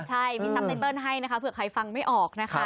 ใช่มีทรัพย์ไตเติ้ลให้นะคะเผื่อใครฟังไม่ออกนะคะ